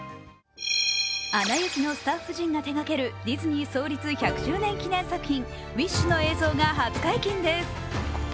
「アナ雪」のスタッフ陣が手がける、ディズニー創立１００周年記念作品「ウィッシュ」の映像が初解禁です。